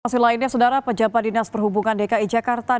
masih lainnya saudara pejabat dinas perhubungan dki jakarta